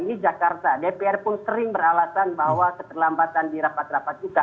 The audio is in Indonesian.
ini jakarta dpr pun sering beralasan bahwa keterlambatan di rapat rapat juga